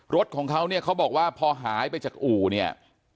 รถของเขาเนี่ยเขาบอกว่าพอหายไปจากอู่เนี่ย